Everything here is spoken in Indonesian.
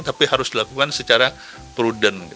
tapi harus dilakukan secara prudent